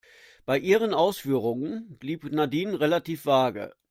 Bei ihren Ausführungen blieb Nadine relativ vage.